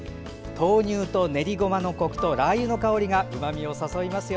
豆乳と練りごまのコクとラー油の香りがうまみを誘いますよ。